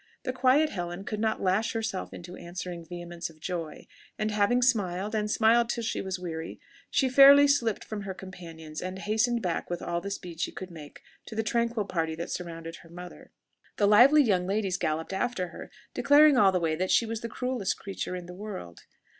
The quiet Helen could not lash herself into answering vehemence of joy, and having smiled, and smiled till she was weary, she fairly slipped from her companions, and hastened back with all the speed she could make to the tranquil party that surrounded her mother. The lively young ladies galloped after her, declaring all the way that she was the cruellest creature in the world.